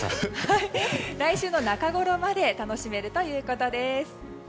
来週の中ごろまで楽しめるということです。